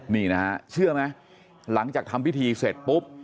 นี่นะฮะเชื่อไหมหลังจากทำพิธีเสร็จปุ๊บ